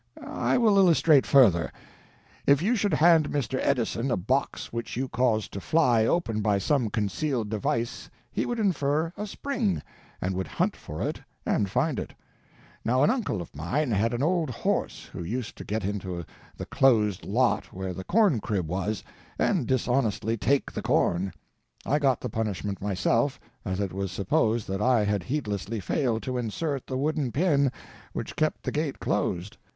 I will illustrate further. If you should hand Mr. Edison a box which you caused to fly open by some concealed device he would infer a spring, and would hunt for it and find it. Now an uncle of mine had an old horse who used to get into the closed lot where the corn crib was and dishonestly take the corn. I got the punishment myself, as it was supposed that I had heedlessly failed to insert the wooden pin which kept the gate closed.